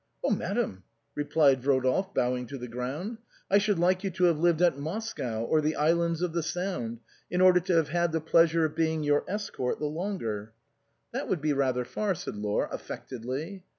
" Oh ! madame," replied Rodolphe, bowing to the ground, 93 94 THE BOHEMIANS OF THE LATIN QUARTER. " I should like you to have lived at Moscow or the islands of the Sound, in order to have had the pleasure of being your escort the longer." " That would be rather far/' said Laure, affectedly.